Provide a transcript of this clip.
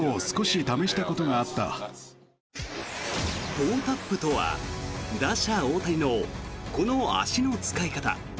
トウタップとは打者・大谷のこの足の使い方。